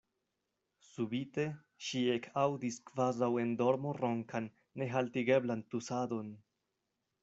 Subite ŝi ekaŭdis kvazaŭ en dormo ronkan, nehaltigeblan tusadon.